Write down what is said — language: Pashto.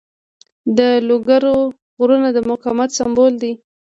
د لوګر غرونه د مقاومت سمبول دي.